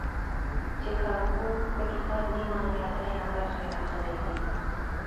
چې کابو دکتاب نیمه یا درېیمه برخه یې راغلي دي.